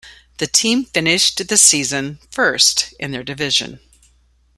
The team finished the season first in their division.